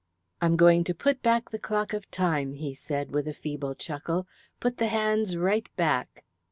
"I'm going to put back the clock of Time," he said, with a feeble chuckle. "Put the hands right back."